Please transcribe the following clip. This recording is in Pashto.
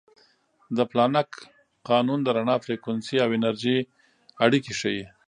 د پلانک قانون د رڼا فریکونسي او انرژي اړیکې ښيي.